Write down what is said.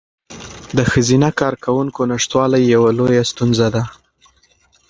د ښځینه کارکوونکو نشتوالی یوه لویه ستونزه ده.